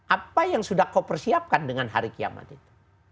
apa yang sudah kau persiapkan dengan hari kiamat itu